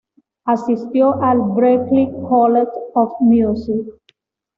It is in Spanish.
Asistió al Berklee College of Music.